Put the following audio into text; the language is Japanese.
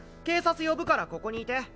警察呼ぶからここにいて。